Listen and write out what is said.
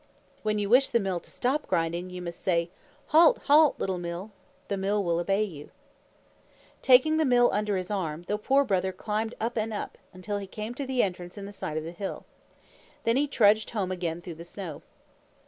"When you wish the Mill to stop grinding, you must say, Halt, halt, little Mill! The Mill will obey you." Taking the little Mill under his arm, the Poor Brother climbed up and up, until he came to the entrance in the side of the hill. Then he trudged home again through the snow.